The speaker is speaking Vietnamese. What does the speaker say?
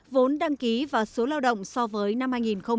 vốn đăng ký và số lao động so với năm hai nghìn một mươi tám